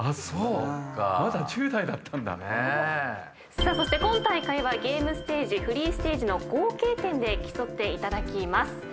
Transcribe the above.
そして今大会はゲームステージフリーステージの合計点で競っていただきます。